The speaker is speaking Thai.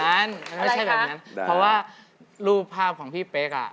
มันไม่ใช่แบบนั้นเพราะว่ารูปภาพของพี่เป๊กอ่ะ